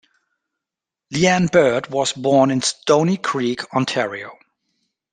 Leanne Baird was born in Stoney Creek, Ontario.